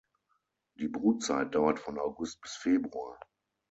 Die Brutzeit dauert von August bis Februar.